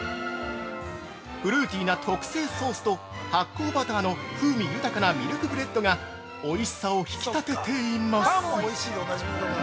フルーティーな特製ソースと発酵バターの風味豊かなミルクブレッドがおいしさを引き立てています。